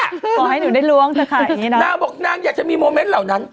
ปล่อยให้หนูได้ล้วงนะคะอย่างงี้น่ะนางบอกนางอยากจะมีโมเมนต์เหล่านั้น